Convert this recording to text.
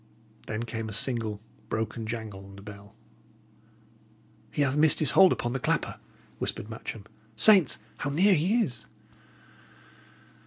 Then came a single, broken jangle on the bell. "He hath missed his hold upon the clapper," whispered Matcham. "Saints! how near he is!"